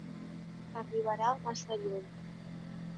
Arribarà massa lluny.